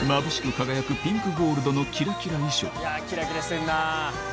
輝くピンクゴールドのキラキラ衣装うわぁキラキラしてるな。